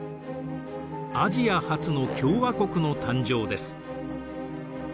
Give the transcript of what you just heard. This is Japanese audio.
アジア初の共和国の誕生です。